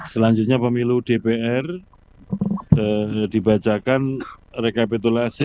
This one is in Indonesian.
selanjutnya pemilu dpr dibacakan rekapitulasi